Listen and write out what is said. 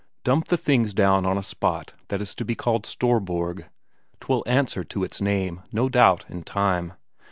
Dump the things down on a spot that is to be called Storborg; 'twill answer to its name, no doubt, in time.